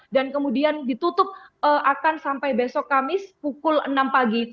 dan kemudian ditutup akan sampai besok kamis pukul enam pagi